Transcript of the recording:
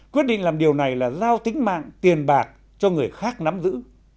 quyết định làm điều này là giao tính mạng tiền bạc cho người khác nắm giữ